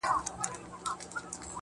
ستا خــوله كــي ټــپه اشــنا,